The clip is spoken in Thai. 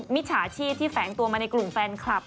มิจฉาชีพที่แฝงตัวมาในกลุ่มแฟนคลับ